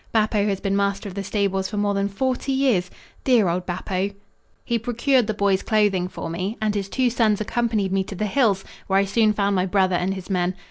Bappo has been master of the stables for more than forty years. Dear old Bappo! He procured the boy's clothing for me and his two sons accompanied me to the hills, where I soon found my brother and his men.